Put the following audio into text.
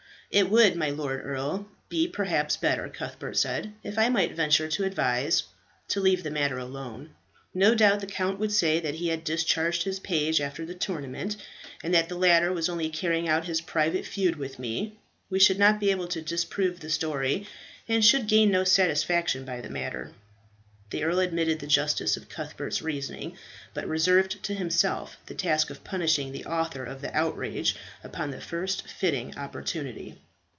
"It would, my lord earl, be perhaps better," Cuthbert said, "if I might venture to advise, to leave the matter alone. No doubt the count would say that he had discharged his page after the tournament, and that the latter was only carrying out his private feud with me. We should not be able to disprove the story, and should gain no satisfaction by the matter." The earl admitted the justice of Cuthbert's reasoning, but reserved to himself the task of punishing the author of the outrage upon the first fitting opportunity.